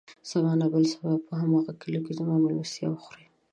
سبا نه، بل سبا به په هماغه کليو کې زما مېلمستيا وخورې.